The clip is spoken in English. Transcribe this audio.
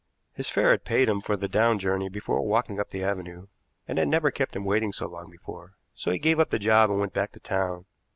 His fare had paid him for the down journey before walking up the avenue, and had never kept him waiting so long before, so he gave up the job and went back to town.